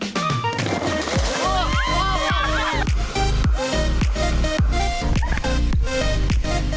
lontaran berasal dari lompatan peluru